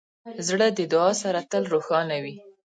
زړه د دعا سره تل روښانه وي.